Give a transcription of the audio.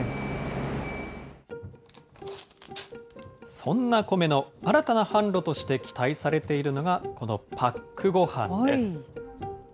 そんな米の新たな販路として期待されているのが、このパックごはんです。